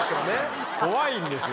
怖いんですよ